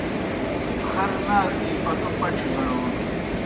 خر نارہ وِی پتو پڇھیْ گڑون